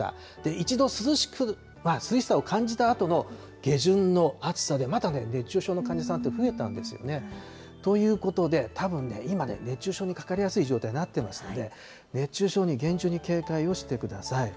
一度、涼しさを感じたあとの下旬の暑さで、また熱中症の患者さんって増えたんですよね。ということで、たぶんね、今ね、熱中症にかかりやすい状態になっていますので、熱中症に厳重に警戒をしてください。